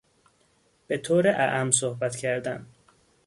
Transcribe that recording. به طور اعم صحبت کردن